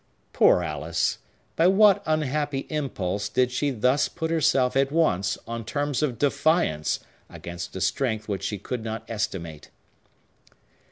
Poor Alice! By what unhappy impulse did she thus put herself at once on terms of defiance against a strength which she could not estimate?